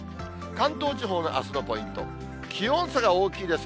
関東地方のあすのポイント、気温差が大きいです。